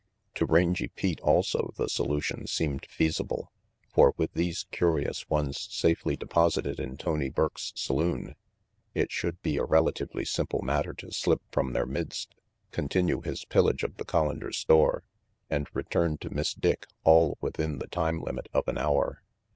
172 RANGY PETE To Rangy Pete also the solution seemed feasible, for with these curious ones safely deposited in Tony Burke's saloon, it should be a relatively simple matter to slip from their midst, continue his pillage of the Collander store, and return to Miss Dick all within the time limit of an hour.